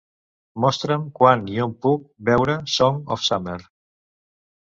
Mostra'm quan i on puc veure Song of Summer